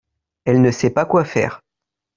elle ne sait pas quoi faire.